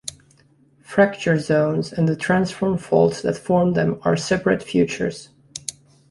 Fracture zones and the transform faults that form them are separate features.